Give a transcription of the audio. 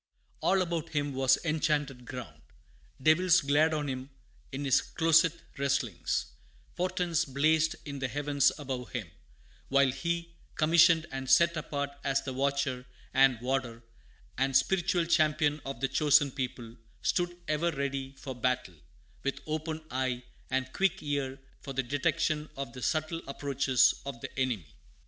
All about him was enchanted ground; devils glared on him in his "closet wrestlings;" portents blazed in the heavens above him; while he, commissioned and set apart as the watcher, and warder, and spiritual champion of "the chosen people," stood ever ready for battle, with open eye and quick ear for the detection of the subtle approaches of the enemy.